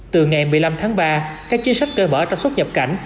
từ ngày một mươi năm tháng ba các chính sách đã mở trong xuất nhập cảnh